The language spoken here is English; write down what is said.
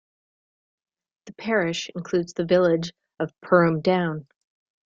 The parish includes the village of Perham Down.